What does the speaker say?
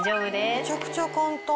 めちゃくちゃ簡単。